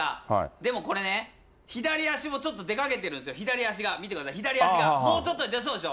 でも、これね、左足もちょっと出かけてるんですよ、左足が、見てください、左足がもうちょっとで出そうでしょ？